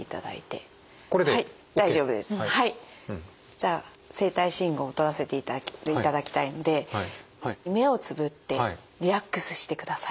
じゃあ生体信号とらせていただきたいので目をつぶってリラックスしてください。